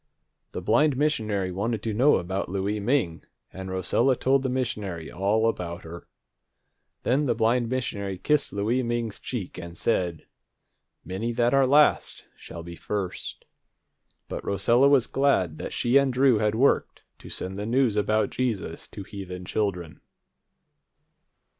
The blind missionary wanted to know about Louie Ming, and Rosella told the missionary all about her. Then the blind missionary kissed Louie Ming's cheek, and said, "Many that are last shall be first." But Rosella was glad that she and Drew had worked to send the news about Jesus to heathen children.